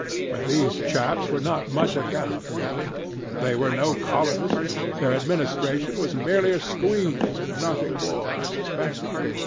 But these chaps were not much account, really. They were no colonists; their administration was merely a squeeze, and nothing more, I suspect.